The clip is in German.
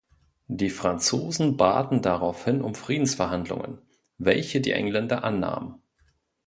Die Franzosen baten daraufhin um Friedensverhandlungen, welche die Engländer annahmen.